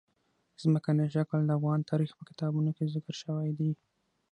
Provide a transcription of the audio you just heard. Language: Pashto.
ځمکنی شکل د افغان تاریخ په کتابونو کې ذکر شوی دي.